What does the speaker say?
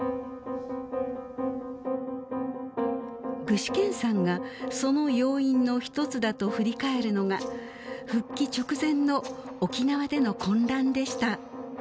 具志堅さんがその要因の一つだと振り返るのが復帰直前の沖縄での混乱でした。